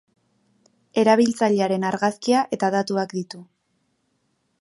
Erabiltzailearen argazkia eta datuak ditu.